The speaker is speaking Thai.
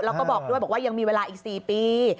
แล้วก็บอกด้วยบอกว่ายังมีเวลาอีก๔ปี